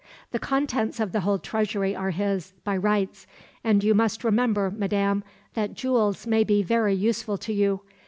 "The contents of the whole treasury are his, by rights; and you must remember, Madam, that jewels may be very useful to you.